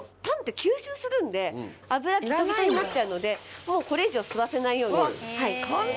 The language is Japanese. パンって吸収するんで油ギトギトになっちゃうのでもうこれ以上吸わせないように。